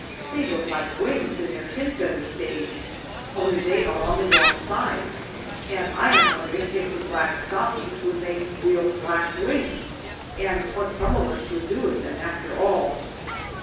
They look like wings in their pin feather stage only they are on the wrong side and I am wondering if the black stockings would make real black wings and what some of us would do with them, after all!"